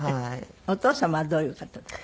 お父様はどういう方だった？